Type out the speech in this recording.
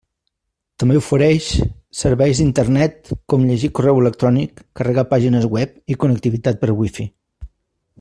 També ofereix serveis d'Internet com llegir correu electrònic, carregar pàgines web i connectivitat per Wi-Fi.